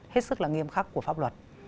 hết sức là nghiêm khắc của pháp luật